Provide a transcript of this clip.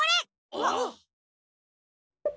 あっ！